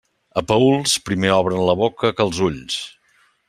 A Paüls, primer obren la boca que els ulls.